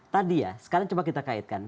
tadi ya sekarang coba kita kaitkan